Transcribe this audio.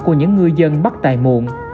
của những ngư dân bắt tài muộn